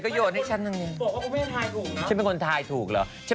บอกว่าก็ไม่ได้ถ่ายถูกเนอะ